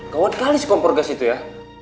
kauan kali si kompor gas itu ya